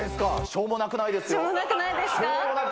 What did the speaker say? しょうもなくないですよ。